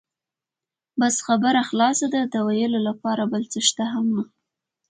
بس خبره خلاصه ده، د وېلو لپاره بل څه شته هم نه.